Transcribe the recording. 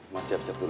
mas siap siap dulu